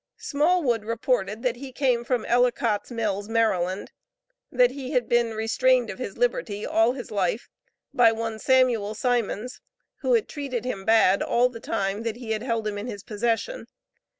Smallwood reported that he came from Ellicott's Mills, Maryland; that he had been restrained of his liberty all his life, by one Samuel Simons, who had treated him "bad" all the time that he had held him in his possession.